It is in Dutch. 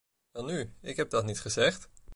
Welnu, ik heb dat niet gezegd.